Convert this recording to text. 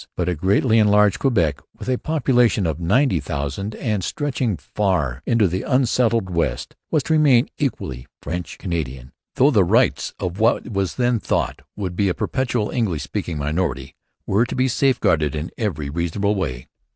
But a greatly enlarged Quebec, with a population of ninety thousand, and stretching far into the unsettled West, was to remain equally French Canadian; though the rights of what it was then thought would be a perpetual English speaking minority were to be safeguarded in every reasonable way.